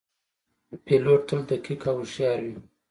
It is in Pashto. پیلوټ تل دقیق او هوښیار وي.